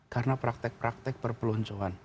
karena praktek praktek perpeloncoan